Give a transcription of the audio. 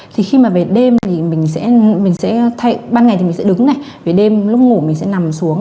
thì khi mà về đêm thì mình sẽ ban ngày thì mình sẽ đứng này về đêm lúc ngủ mình sẽ nằm xuống